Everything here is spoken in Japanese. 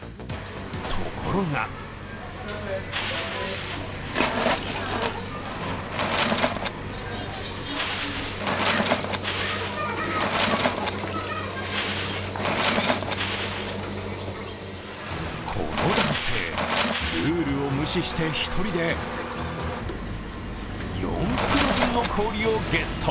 ところがこの男性、ルールを無視して１人で４袋分の氷をゲット。